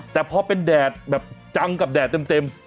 แต่พอเป็นแดดแบบจังกับแดดเต็ม